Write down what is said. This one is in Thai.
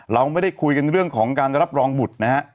เราไม่ได้คุยกันเรื่องของการรับรองบุตรนะฮะ